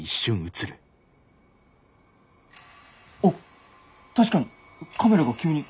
あっ確かにカメラが急に。